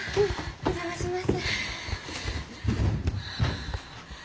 お邪魔します。